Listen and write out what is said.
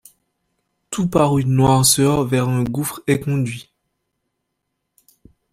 Tout par une noirceur vers un gouffre est conduit.